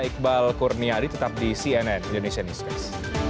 iqbal kurniawi tetap di cnn indonesia news